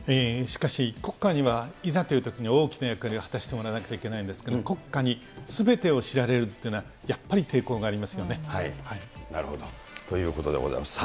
しかし、国家にはいざというときに大きな役割を果たしてもらわなければならないんですけれども、国家にすべてを知られるというのは、なるほど。ということでございます。